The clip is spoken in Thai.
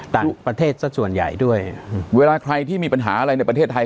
ต่างประเทศสักส่วนใหญ่ด้วยเวลาใครที่มีปัญหาอะไรในประเทศไทย